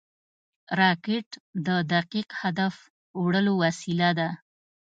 راکټ د دقیق هدف وړلو وسیله ده